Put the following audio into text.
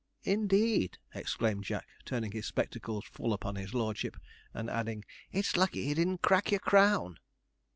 'Indeed!' exclaimed Jack, turning his spectacles full upon his lordship, and adding, 'it's lucky he didn't crack your crown.'